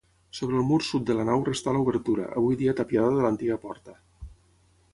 Sobre el mur sud de la nau restà l'obertura, avui dia tapiada de l'antiga porta.